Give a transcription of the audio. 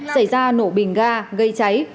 xảy ra nổ bình ga gây cháy